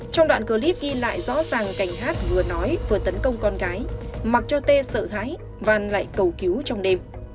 trong đoạn clip ghi lại rõ ràng cảnh hát vừa nói vừa tấn công con gái mặc cho t sợ gái và lại cầu cứu trong đêm